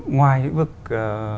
ngoài lĩnh vực giảm